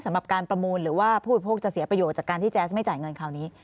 สำหรับการประมูลหรือว่าผู้บริโภคจะเสียประโยชน์จากการที่แจ๊สไม่จ่ายเงินคราวนี้